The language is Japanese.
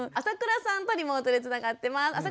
浅倉さんとリモートでつながってます。